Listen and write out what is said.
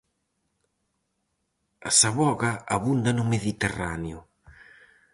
A saboga abunda no Mediterráneo.